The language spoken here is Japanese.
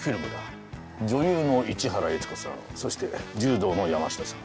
女優の市原悦子さんそして柔道の山下さん。